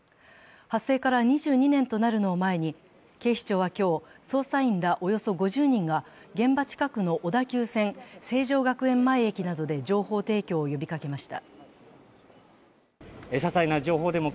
発生から２２年となるのを前に、警視庁は今日、捜査員らおよそ５０人が現場近くの小田急線・成城学園前駅などで情報提供を呼びかけました。